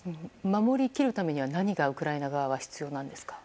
守りきるためには何がウクライナ側は必要なのでしょうか。